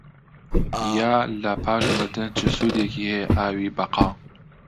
یا لە پاش مردن چ سوودێکی هەیە ئاوی بەقا؟